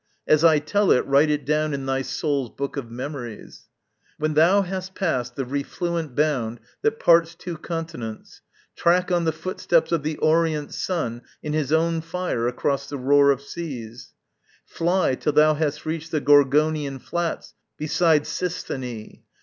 As I tell it, write it down In thy soul's book of memories. When thou hast past The refluent bound that parts two continents, Track on the footsteps of the orient sun In his own fire, across the roar of seas, Fly till thou hast reached the Gorgonæan flats Beside Cisthené.